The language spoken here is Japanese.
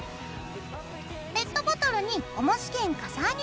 ペットボトルにおもし兼かさ上げ